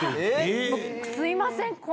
すいません